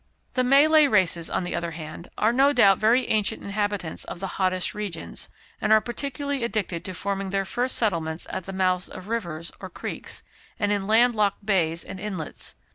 The Malay races, on the other hand, are no doubt very ancient inhabitants of the hottest regions, and are particularly addicted to forming their first settlements at the mouths of rivers or creeks, or in land locked bays and inlets.